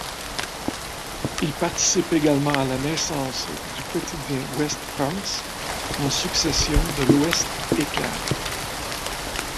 Il participe également à la naissance du quotidien Ouest-France en succession de L'Ouest-Éclair.